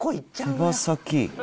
手羽先。